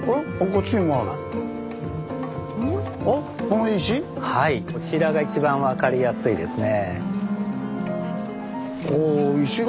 こちらが一番分かりやすいですね。